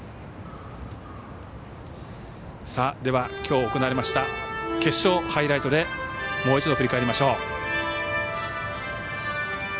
では、きょう行われました決勝ハイライトでもう一度振り返りましょう。